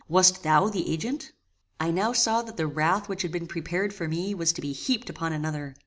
Wast thou the agent?" I now saw that the wrath which had been prepared for me was to be heaped upon another.